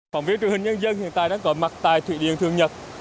phòng viên truyền hình nhân dân hiện tại đang còn mặc tài thủy điện thượng nhật